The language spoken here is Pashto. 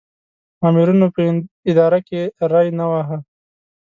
مامورینو په اداره کې ری نه واهه.